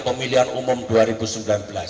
pemilihan umum dua ribu sembilan belas